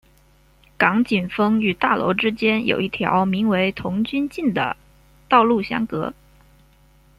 港景峰与大楼之间有一条名为童军径的道路相隔。